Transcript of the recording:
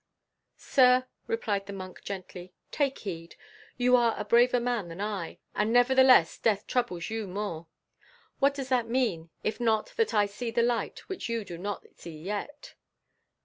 "Sir," replied the monk gently, "take heed, you are a braver man than I, and nevertheless death troubles you more. What does that mean, if not that I see the light, which you do not see yet?"